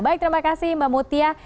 baik terima kasih mbak mutia